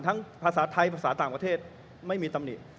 ภาษาไทยภาษาต่างประเทศไม่มีตำหนิ